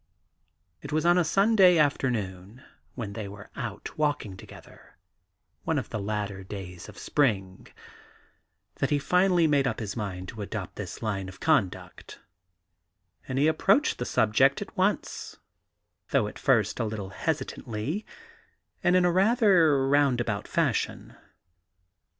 It was on a Sunday afternoon when they were out walking together — one of the latter days of spring — that he finally made up his mind to adopt this line of conduct; and he approached the subject at once, though at first a little hesitatingly, and in a rather roundabout fashion.